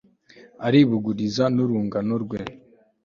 aribuguriza n'urungano rwe